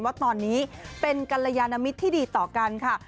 ว่าตอนนี้เป็นกรยานมิตรที่ดีต่อกันค่ะ